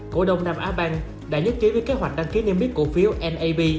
cổ đông nam á banh đã nhất trí với kế hoạch đăng ký niêm yết cổ phiếu nab